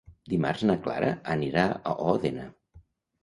Dimarts na Clara anirà a Òdena.